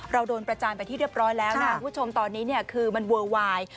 เราโดนประจานไปที่เรียบร้อยแล้วคุณผู้ชมตอนนี้คือมันเวอร์ไวน์